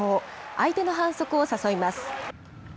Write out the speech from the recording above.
相手の反則を誘います。